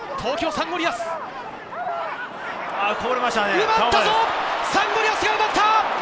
サンゴリアスが奪った！